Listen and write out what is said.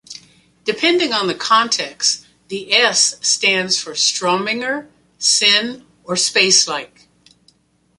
Depending on the context the "S" stands for "Strominger", "Sen", or "Space-like".